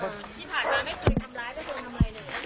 ที่ผ่านมาไม่เคยทำร้ายไปจนทำไรเลย